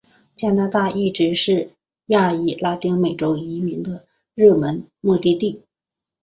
加拿大一直是亚裔拉丁美洲移民的热门目的地。